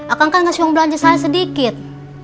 akan kan ngasih uang belanja saya sedikit